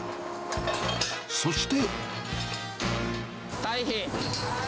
そして。